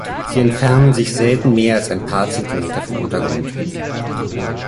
Sie entfernen sich selten mehr als ein paar Zentimeter vom Untergrund.